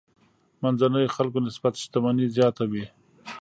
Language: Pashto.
منځنيو خلکو نسبت شتمني زیاته وي.